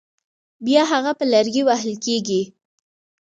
بیا هغه په لرګي وهل کېږي.